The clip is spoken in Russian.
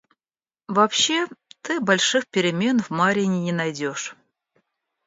Вообще ты больших перемен в Марьине не найдешь.